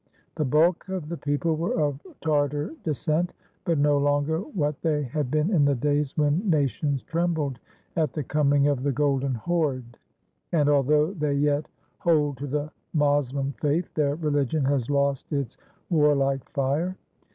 The bulk of the people were of Tartar descent, but no longer what they had been in the days when nations trembled at the coming of the Golden Horde; and although they yet hold to the Moslem faith, their religion has lost its warlike fire.